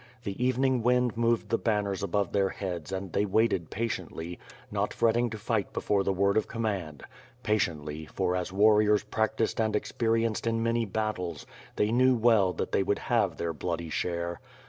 The evening wind moved the banners above their heads and they waited patiently, not fretting to figiht before the word of command — patiently, for, as warriors practised and experienced in many battles, they knew well that they would have their bloody share.